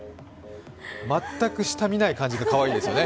全く下を見ない感じでかわいいですよね。